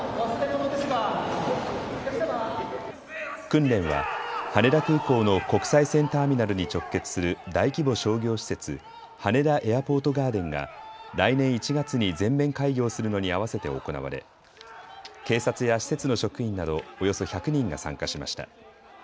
訓練は羽田空港の国際線ターミナルに直結する大規模商業施設、羽田エアポートガーデンが来年１月に全面開業するのに合わせて行われ警察や施設の職員などおよそ１００人が参加しました。